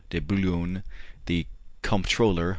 de Boulogne, the Comptroller M.